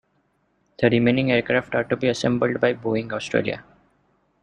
The remaining aircraft are to be assembled by Boeing Australia.